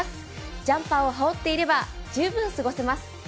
ジャンパーを羽織っていれば十分過ごせます。